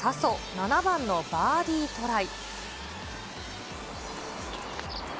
７番のバーディートライ。